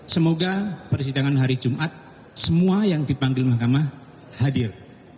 semoga persidangan hari jumat semua yang dipanggil mahkamah hadir